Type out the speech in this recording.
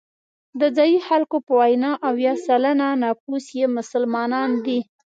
د ځایي خلکو په وینا اویا سلنه نفوس یې مسلمانان دي.